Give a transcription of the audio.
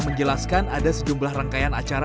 menjelaskan ada sejumlah rangkaian acara